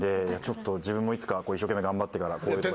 自分もいつか一生懸命頑張ってから。